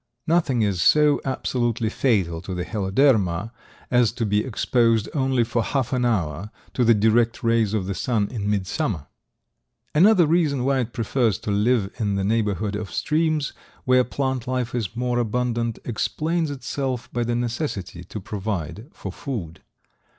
Nothing is so absolutely fatal to the Heloderma as to be exposed only for half an hour to the direct rays of the sun in midsummer. Another reason why it prefers to live in the neighborhood of streams where plant life is more abundant explains itself by the necessity to provide for food.